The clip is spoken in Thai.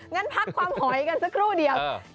งั้นพักความหอยกันสักครู่เดียว